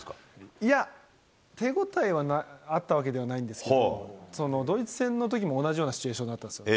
いや、手応えはあったわけではないんですけど、ドイツ戦のときも同じようなシミュレーションだったんですね。